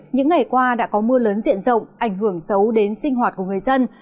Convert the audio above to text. những ngày qua đã có mưa lớn diện rộng ảnh hưởng xấu đến sinh hoạt của người dân